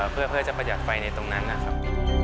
เพื่อประหยัดไฟในตรงนั้นนะครับ